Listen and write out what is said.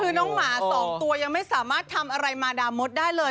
คือน้องหมา๒ตัวยังไม่สามารถทำอะไรมาดามดได้เลย